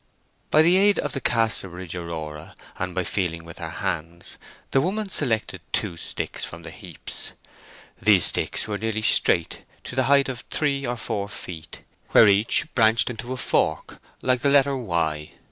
By the aid of the Casterbridge aurora, and by feeling with her hands, the woman selected two sticks from the heaps. These sticks were nearly straight to the height of three or four feet, where each branched into a fork like the letter Y.